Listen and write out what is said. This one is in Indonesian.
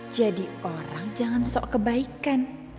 jadi orang jangan sok kebaikan